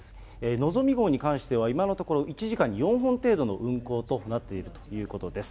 のぞみ号に関しては、今のところ１時間に４本程度の運行となっているということです。